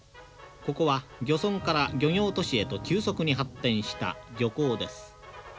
ここは漁村から漁業都市へと急速に発展した漁港です。